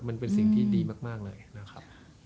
มันเป็นสิ่งที่ดีมากเลยนะครับ